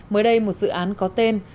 mới đây một dự án có tên